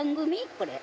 これ。